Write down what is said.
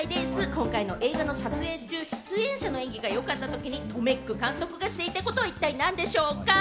今回の映画の撮影中、出演者の演技がよかった時にトメック監督がしていたことは何でしょうか？